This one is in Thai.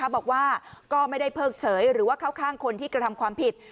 บอกว่าก็ไม่ได้เพิกเฉยหรือว่าเข้าข้างคนที่กระทำความผิด